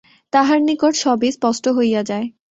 তাঁহার নিকট সবই স্পষ্ট হইয়া যায়।